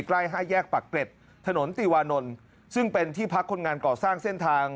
ใกล้๕แยกปากเกร็ดถนนติวานนท์ซึ่งเป็นที่พักคนงานก่อสร้างเส้นทาง